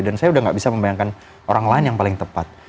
dan saya udah nggak bisa membayangkan orang lain yang paling tepat